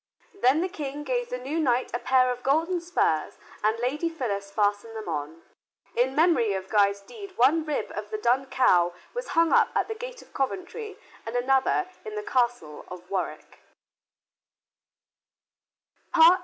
Then the King gave the new knight a pair of golden spurs, and Lady Phyllis fastened them on. In memory of Guy's deed one rib of the Dun Cow was hung up at the gate of Coventry and another in the Castle of Warwick.